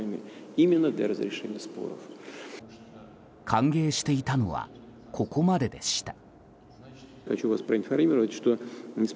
歓迎していたのはここまででした。